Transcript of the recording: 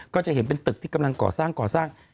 ก็จะเห็นเป็นตึกที่กำลังก่อสร้างก่อสร้าง